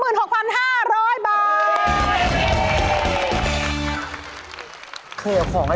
เครื่องของอะไรกันนะครับ